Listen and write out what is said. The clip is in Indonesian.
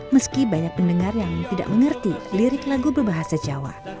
meski banyak pendengar yang tidak mengerti lirik lagu berbahasa jawa